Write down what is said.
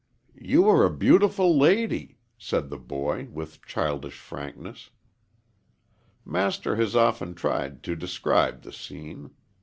"You are a beautiful lady," said the boy, with childish frankness. Master has often tried to describe the scene.